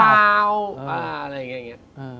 มันมีปัญหาหรือเปล่าอะไรอย่างนี้